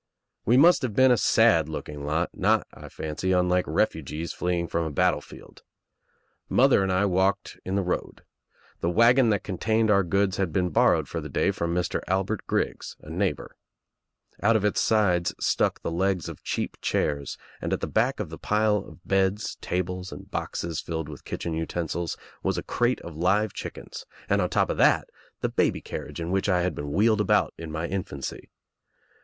We must have been a sad looking lot, not, I fancy, unlike refugees fleeing from a battlefield. Mother and I walked in the road. The wagon that contained our goods had been borrowed for the day from Mr. Albert Griggs, a neighbor. Out of its sides stuck the legs of cheap chairs and at the back of the pile of beds, tables, and boxes filled with kitchen utensils was a crate of live chickejis, and on top of that the baby carriage In so THE TRIUMPH OF THE EGG which I had been wheeled about in my infancy.